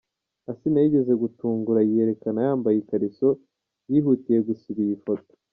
Asinah yigeze gutungura yiyerekana yambaye ikariso, yihutiye gusiba iyi foto.